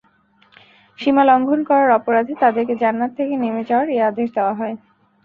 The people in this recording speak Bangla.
সীমালংঘন করার অপরাধে তাদেরকে জান্নাত থেকে নেমে যাওয়ার এ আদেশ দেওয়া হয়।